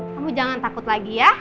kamu jangan takut lagi ya